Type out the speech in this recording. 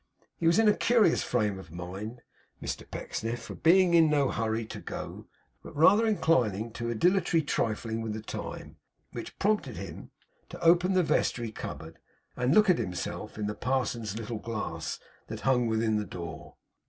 He was in a curious frame of mind, Mr Pecksniff; being in no hurry to go, but rather inclining to a dilatory trifling with the time, which prompted him to open the vestry cupboard, and look at himself in the parson's little glass that hung within the door.